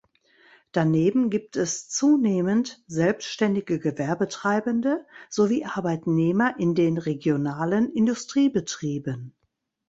Daneben gibt es zunehmend selbständige Gewerbetreibende sowie Arbeitnehmer in den regionalen Industriebetrieben.